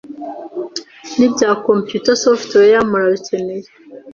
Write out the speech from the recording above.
Nibya computer Software murabikeneye